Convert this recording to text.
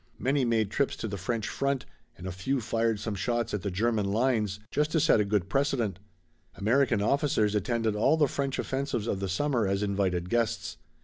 Many made trips to the French front and a few fired some shots at the German lines just to set a good precedent. American officers attended all the French offensives of the summer as invited guests.